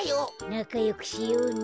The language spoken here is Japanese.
なかよくしようね。